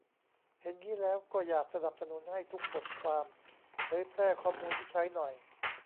เห็นงี้แล้วก็อยากสนับสนุนให้ทุกบทความเผยแพร่ข้อมูลที่ใช้หน่อย